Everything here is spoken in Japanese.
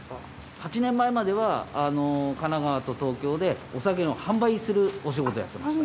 ８年前までは神奈川と東京でお酒の販売するお仕事やってました。